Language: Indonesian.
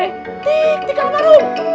tik tik lapar